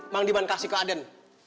mang diman kasih ke aden